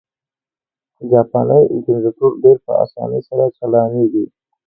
جاپانی جنرټور ډېر په اسانۍ سره چالانه کېږي.